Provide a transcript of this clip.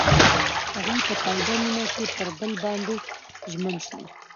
هغوی په تاوده مینه کې پر بل باندې ژمن شول.